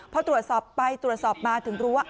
พอตรวจสอบไปตรวจสอบมาถึงรู้ว่า